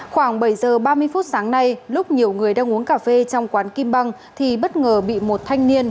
khoảng bảy giờ ba mươi phút sáng nay lúc nhiều người đang uống cà phê trong quán kim băng thì bất ngờ bị một thanh niên